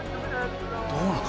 どうなの？